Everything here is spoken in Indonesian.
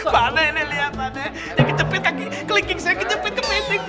pane ini liat pane dia kejepit kaki kelingking saya kejepit kepiting